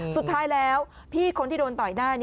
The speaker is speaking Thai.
สุดท้ายแล้วพี่คนที่โดนต่อยหน้า